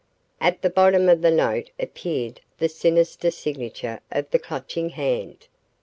At the bottom of the note appeared the sinister signature of the Clutching Hand.